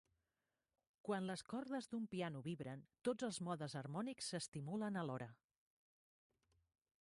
Quan les cordes d'un piano vibren, tots els modes harmònics s'estimulen a l'hora.